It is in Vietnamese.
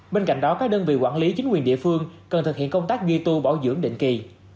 bên cạnh đó các đơn vị quản lý chính quyền địa phương cần thực hiện công tác duy tu bảo dưỡng định kỳ